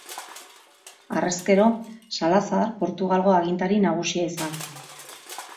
Harrezkero, Salazar Portugalgo agintari nagusia izan zen.